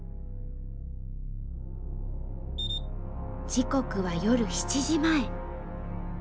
時刻は夜７時前。